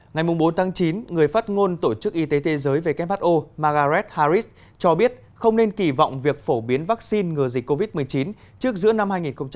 ngày bốn chín người phát ngôn tổ chức y tế thế giới who margaret harris cho biết không nên kỳ vọng việc phổ biến vaccine ngừa dịch covid một mươi chín trước giữa năm hai nghìn hai mươi